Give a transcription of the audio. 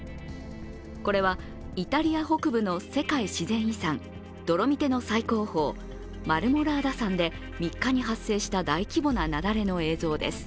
これは、イタリア北部の世界自然遺産・ドロミテの最高峰マルモラーダ山で３日に発生した大規模な雪崩の映像です。